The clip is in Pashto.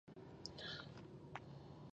هغه له ونې وغورځېد، ننگيال سخت وډار شو